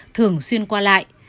thường xuyên qua lại